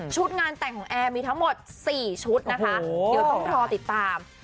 งานแต่งของแอร์มีทั้งหมด๔ชุดนะคะเดี๋ยวต้องรอติดตาม